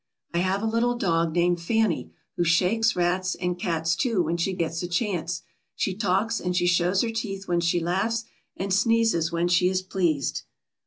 I have a little dog named Fanny, who shakes rats, and cats too when she gets a chance. She talks, and she shows her teeth when she laughs, and sneezes when she is pleased.